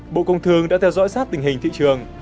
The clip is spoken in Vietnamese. bộ công thương đã theo dõi sát tình hình thị trường